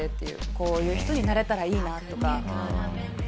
こういう人になれたらいいなとかすごく。